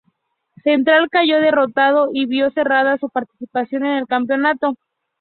Central cayó derrotado y vio cerrada su participación en el campeonato.